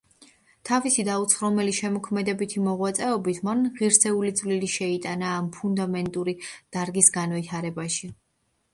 თავისი დაუცხრომელი შემოქმედებითი მოღვაწეობით მან ღირსეული წვლილი შეიტანა ამ ფუნდამენტური დარგის განვითარებაში.